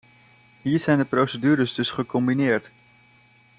Hier zijn de procedures dus gecombineerd.